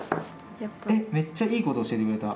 えっめっちゃいいこと教えてくれた。